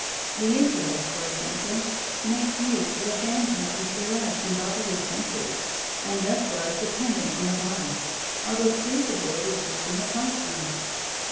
The intellect, for example, makes use of the phantasms derived from the bodily senses, and thus far is dependent on the body, although capable of existing apart from it.